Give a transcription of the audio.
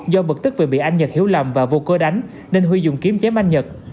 do bực tức vì bị anh nhật hiểu lầm và vô cơ đánh nên huy dùng kiếm chém anh nhật